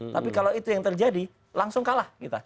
tapi kalau itu yang terjadi langsung kalah kita